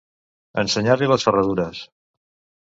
Ensenyar-li les ferradures.